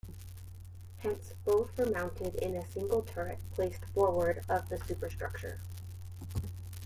Hence both were mounted in a single turret, placed forward of the superstructure.